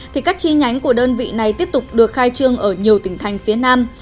thì các chi nhánh của đơn vị này tiếp tục được khai trương ở nhiều tỉnh thành phía nam